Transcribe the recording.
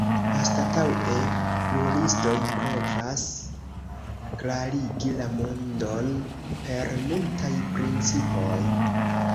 Anstataŭe pluristoj provas klarigi la mondon per multaj principoj.